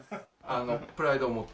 あのプライドを持って。